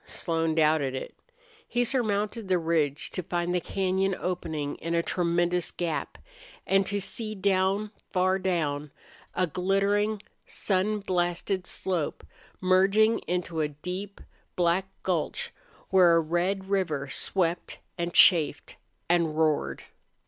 Slone doubted it. He surmounted the ridge, to find the cañon opening in a tremendous gap, and to see down, far down, a glittering, sun blasted slope merging into a deep, black gulch where a red river swept and chafed and roared.